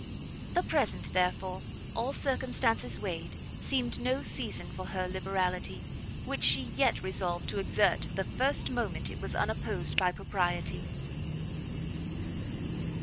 The present, therefore, all circumstances weighed, seemed no season for her liberality, which she yet resolved to exert the first moment it was unopposed by propriety.